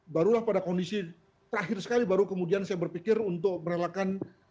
barulah pada kondisi terakhir sekali baru kemudian saya berpikir untuk merelakan